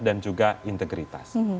dan juga integritas